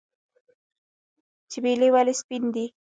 چمیلی ولې سپین دی؟